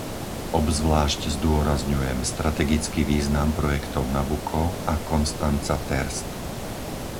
Obzvlášť zdôrazňujem strategický význam projektov Nabucco a Konstanca-Terst.